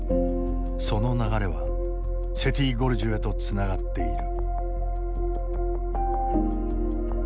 その流れはセティ・ゴルジュへとつながっている。